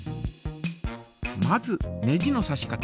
まずネジのさし方。